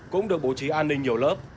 cũng được bố trí an ninh nhiều lớp